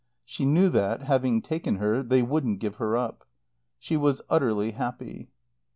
She knew that, having taken her, they wouldn't give her up. She was utterly happy.